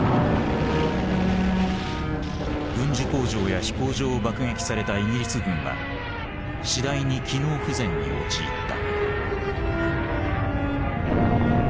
軍需工場や飛行場を爆撃されたイギリス軍は次第に機能不全に陥った。